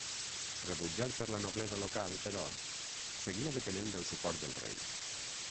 Rebutjat per la noblesa local, però, seguia depenent del suport del rei.